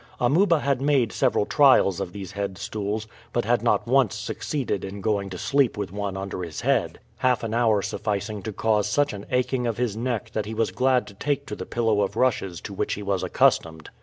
Amuba had made several trials of these head stools, but had not once succeeded in going to sleep with one under his head, half an hour sufficing to cause such an aching of his neck that he was glad to take to the pillow of rushes to which he was accustomed.